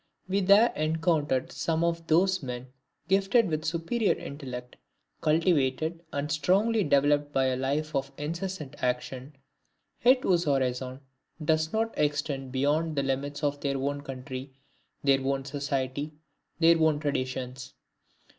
We there encountered some of those men gifted with superior intellect, cultivated and strongly developed by a life of incessant action, yet whose horizon does not extend beyond the limits of their own country, their own society, their own traditions.